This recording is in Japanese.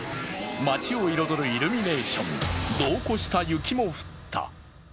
街を彩るイルミネーション度を超した雪も降った。